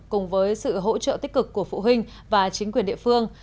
cùng với sự hỗ trợ tích cực của phụ huynh và chính quyền địa phương